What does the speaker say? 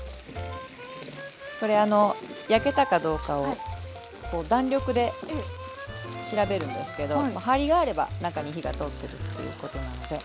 これあの焼けたかどうかを弾力で調べるんですけど張りがあれば中に火が通ってるということなので。